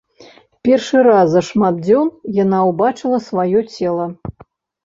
Першы раз за шмат дзён яна ўбачыла сваё цела.